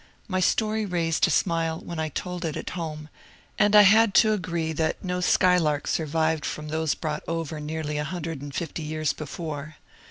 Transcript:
My story raised a smile when I told it at home, and I had to agree that no skylark survived from those brought over nearly a hundred and fifty years before.